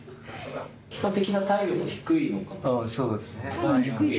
基礎的な体力が低いのかも。